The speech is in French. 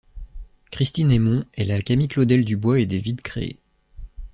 Christine Aymon est la Camille Claudel du bois et des vides créés.